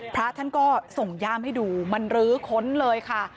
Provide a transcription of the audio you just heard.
พระท่านก็ส่งย่ามให้ดูมันรื้อค้นเลยค่ะ